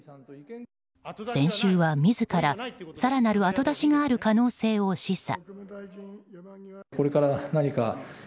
先週は、自ら更なる後出しがある可能性を示唆。